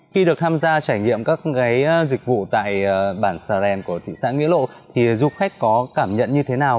khi được tham gia trải nghiệm các dịch vụ tại bản xà rèn của thị xã nghĩa lộ thì du khách có cảm nhận như thế nào